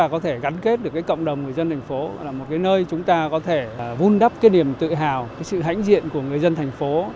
cho cộng đồng người dân thành phố là một cái nơi chúng ta có thể vun đắp cái niềm tự hào cái sự hãnh diện của người dân thành phố